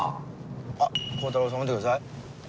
あっ孝太郎さん見てください。